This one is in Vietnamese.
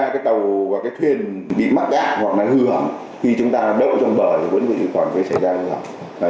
năm mươi ba cái tàu và cái thuyền bị mắc cạn hoặc là hư hỏng khi chúng ta đậu trong bờ thì vẫn vĩnh hoảng sẽ xảy ra